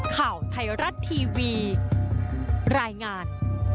ข่าวไทยรัฐทีวีรายงาน